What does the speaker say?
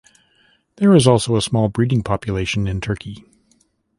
There is also a small breeding population in Turkey.